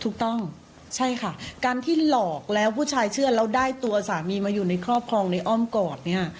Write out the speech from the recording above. ถูกต้องใช่ค่ะการที่หลอกแล้วผู้ชายเชื่อแล้วได้ตัวสามีมาอยู่ในครอบครองในอ้อมกอดเนี่ย